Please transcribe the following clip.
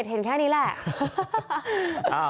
เห็นแค่นี้แหละ